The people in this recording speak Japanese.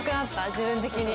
自分的に。